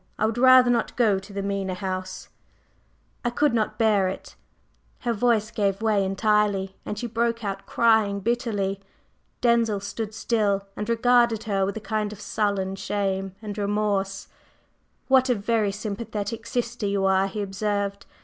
I would rather not go to the Mena House, I could not bear it …" Her voice gave way entirely, and she broke out crying bitterly. Denzil stood still and regarded her with a kind of sullen shame and remorse. "What a very sympathetic sister you are!" he observed.